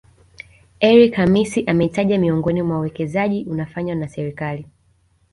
Eric Hamisi ametaja miongoni mwa uwekezaji unafanywa na Serikali